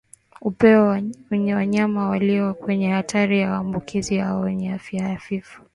Uwepo wa wanyama walio kwenye hatari ya kuambukizwa au wenye afya hafifu